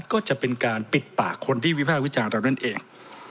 ก็จะเป็นการปิดปากคนที่วิภาควิจารณ์เรานั่นเอง